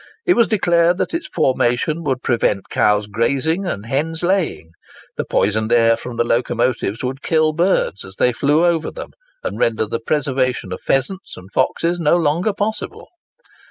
It was declared that its formation would prevent cows grazing and hens laying. The poisoned air from the locomotives would kill birds as they flew over them, and render the preservation of pheasants and foxes no longer possible.